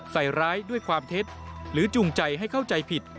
ใส่ร้ายด้วยความเท็จหรือจูงใจให้เข้าใจผิด